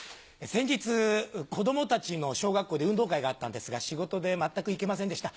先日子供たちの小学校で運動会があったんですが仕事で全く行けませんでした。